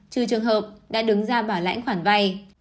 trừ trường hợp đã đứng ra bảo lãnh khoản vay